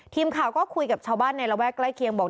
ทีมข่าวก็คุยกับชาวบ้านในระแวกใกล้เคียงบอก